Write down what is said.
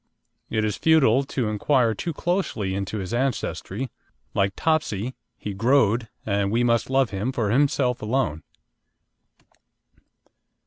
It is futile to inquire too closely into his ancestry; like Topsy, "he growed" and we must love him for himself alone.